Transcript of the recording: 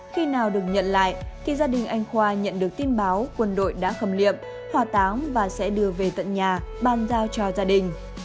khi nào được nhận lại thì gia đình anh khoa nhận được tin báo quân đội đã khầm liệm hòa táng và sẽ đưa về tận nhà bàn giao cho gia đình